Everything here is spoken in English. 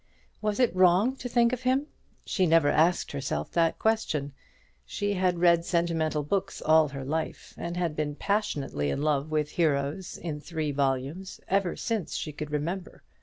Was it wrong to think of him? She never asked herself that question. She had read sentimental books all her life, and had been passionately in love with heroes in three volumes, ever since she could remember.